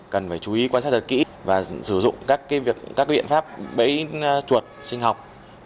cần phải chú ý quan sát thật kỹ và sử dụng các biện pháp bẫy chuột sinh học